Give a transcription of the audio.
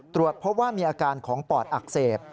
ตรวจพบว่ามีอาการของปอดอักเสบ